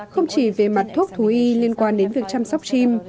không chỉ về mặt thuốc thú y liên quan đến việc chăm sóc chim